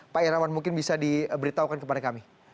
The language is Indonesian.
pak irawan mungkin bisa diberitahukan kepada kami